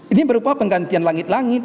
ini berupa penggantian langit langit